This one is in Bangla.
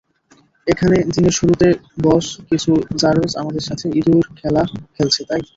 এখানে, দিনের শুরুতে বস, কিছু জারজ আমাদের সাথে ইঁদুর খেলা খেলছে তাই?